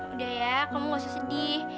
udah ya kamu gak usah sedih